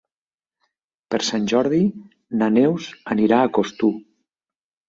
Per Sant Jordi na Neus anirà a Costur.